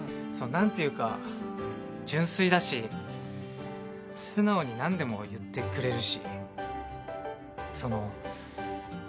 何ていうか純粋だし素直に何でも言ってくれるしその。